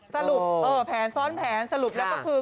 สรุปแผนซ้อนแผนสรุปแล้วก็คือ